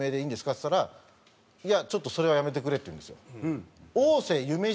っつったら「いやちょっとそれはやめてくれ」って言うんですよ。